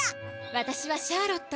わたしはシャーロット。